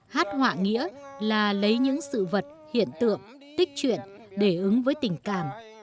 hát họa nghĩa là lấy những sự vật hiện tượng tích truyện để ứng với tình cảm